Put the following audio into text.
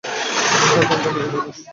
ঘর ভাঙা মেয়েমানুষ!